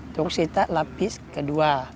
terus kita lapis kedua